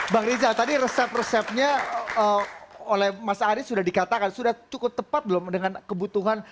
bang rizal tadi resep resepnya oleh mas arief sudah dikatakan sudah cukup tepat belum dengan kebutuhan